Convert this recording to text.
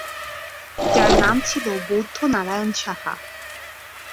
যার নাম ছিল বৌদ্ধ নারায়ণ সাহা।